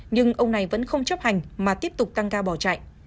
nhưng ông này vẫn không chấp hành mà tiếp tục tăng ga bỏ chạy